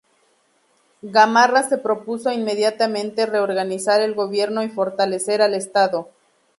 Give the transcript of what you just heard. Gamarra se propuso inmediatamente reorganizar el gobierno y fortalecer al estado.